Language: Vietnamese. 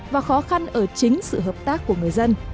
và khó khăn ở chính sự hợp tác của người dân